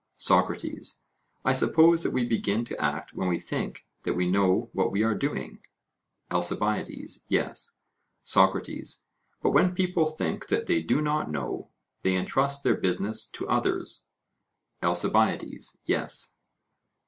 SOCRATES: I suppose that we begin to act when we think that we know what we are doing? ALCIBIADES: Yes. SOCRATES: But when people think that they do not know, they entrust their business to others? ALCIBIADES: Yes.